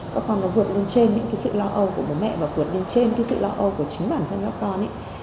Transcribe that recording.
các con vượt lên trên những cái sự lo âu của bố mẹ và vượt lên trên cái sự lo âu của chính bản thân các con ấy